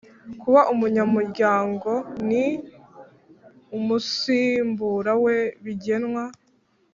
Kuba Umuryango n umusimbura we bigenwa